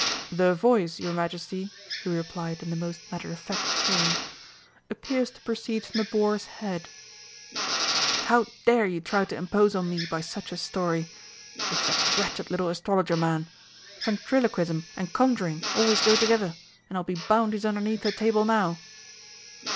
"The voice, your Majesty," he replied in the most matter of fact tone, "appears to proceed from the boar's head." "How dare you try to impose on me by such a story? It's that wretched little astrologer man. Ventriloquism and Conjuring always go together, and I'll be bound he's underneath the table now!...